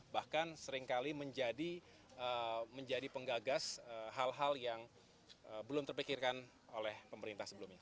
bahkan seringkali menjadi penggagas hal hal yang belum terpikirkan oleh pemerintah sebelumnya